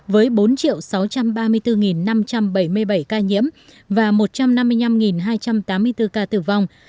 với bốn sáu trăm ba mươi bốn năm trăm bảy mươi bảy ca nhiễm và một trăm năm mươi năm hai trăm tám mươi bốn ca tử vong